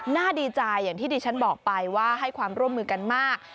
น่าดีใจอย่างที่ดิฉันบอกไปว่าให้ความร่วมมือกันมาก